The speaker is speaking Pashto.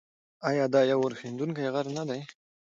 آیا دا یو اورښیندونکی غر نه دی؟